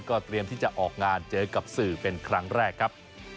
เตรียมที่จะออกงานเจอกับสื่อเป็นครั้งแรกครับ